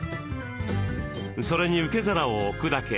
それに受け皿を置くだけ。